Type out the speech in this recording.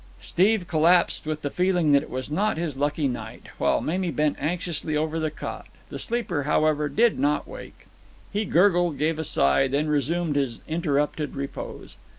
Steve collapsed with the feeling that it was not his lucky night, while Mamie bent anxiously over the cot. The sleeper, however, did not wake. He gurgled, gave a sigh, then resumed his interrupted repose.